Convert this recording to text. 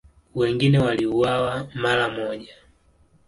Wengine waliuawa mara moja.